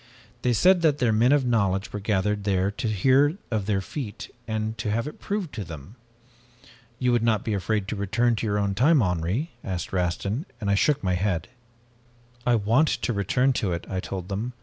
They said that their men of knowledge were gathered there to hear of their feat, and to have it proved to them. "'You would not be afraid to return to your own time, Henri?' asked Rastin, and I shook my head. "'I want to return to it,' I told them.